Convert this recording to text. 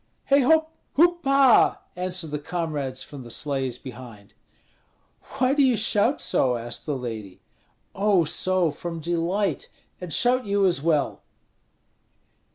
"Hei hop! hoop ha!" answered the comrades from the sleighs behind. "Why do you shout so?" asked the lady. "Oh, so, from delight! And shout you as well!"